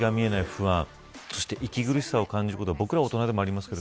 不安そして息苦しさを感じることが大人でもあります。